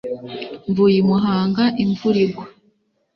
Mvuye I Muhanga imvura igwa